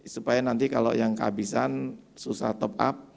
supaya nanti kalau yang kehabisan susah top up